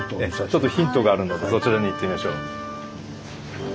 ちょっとヒントがあるのでそちらに行ってみましょう。